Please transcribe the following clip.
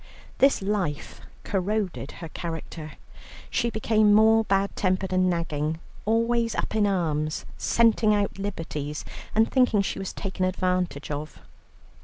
This life corroded her character. She became more bad tempered and nagging, always up in arms, scenting out liberties, and thinking she was taken advantage of.